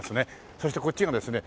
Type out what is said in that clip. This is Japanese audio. そしてこっちがですね